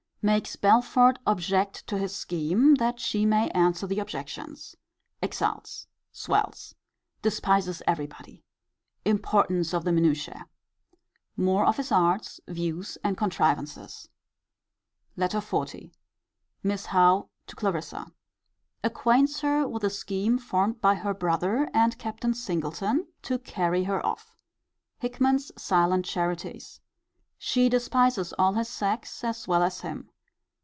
Makes Belford object to his scheme, that he may answer the objections. Exults. Swells. Despises every body. Importance of the minutiae. More of his arts, views, and contrivances. LETTER XL. Miss Howe to Clarissa. Acquaints her with a scheme formed by her brother and captain Singleton, to carry her off. Hickman's silent charities. She despises all his sex, as well as him.